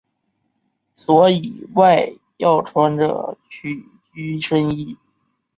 所以外要穿着曲裾深衣。